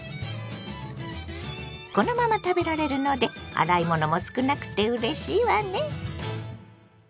このまま食べられるので洗い物も少なくてうれしいわね。